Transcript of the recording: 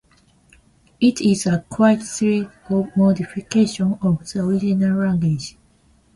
It is a quite serious modification of the original language.